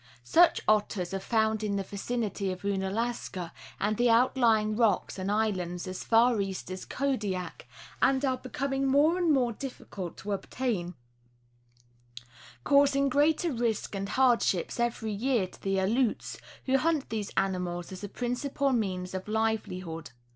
Such otters are found in the vicinity of Ounalaska and the outlying rocks and islands as far east as Kodiak, and are becoming more and more difficult to obtain, causing greater risk and hardships every year to the Aleuts, who hunt these animals as a principal means of livelihood.